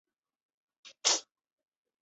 大盘䲟为䲟科大盘䲟属的鱼类。